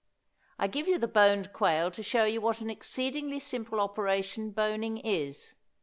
I give you the boned quail to show you what an exceedingly simple operation boning is.